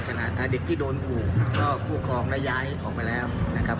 เด็กที่โดนขู่ก็ผู้ครองได้ย้ายออกไปแล้วนะครับ